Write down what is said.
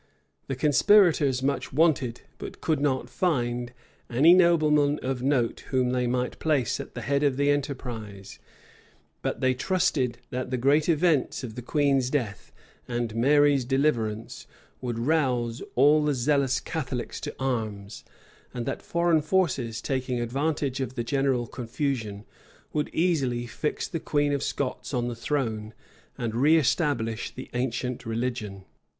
The conspirators much wanted, but could not find, any nobleman of note whom they might place at the head of the enterprise; but they trusted that the great events, of the queen's death and Mary's deliverance, would rouse all the zealous Catholics to arms; and that foreign forces, taking advantage of the general confusion, would easily fix the queen of Scots on the throne, and reestablish the ancient religion.